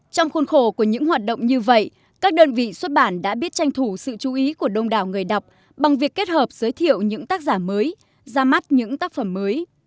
trong khuôn khổ của những hoạt động như vậy các đơn vị xuất bản đã biết tranh thủ sự chú ý của đông đảo người đọc bằng việc kết hợp giới thiệu những tác giả mới ra mắt những tác phẩm mới